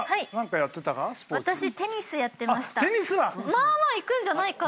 まあまあいくんじゃないかなと。